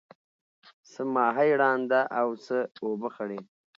څه ماهی ړانده او څه اوبه خړی.